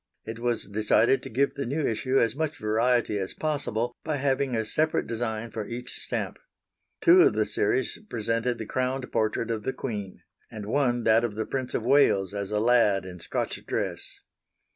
It was decided to give the new issue as much variety as possible by having a separate design for each stamp. Two of the series presented the crowned portrait of the Queen, and one that of the Prince of Wales as a lad in Scotch dress.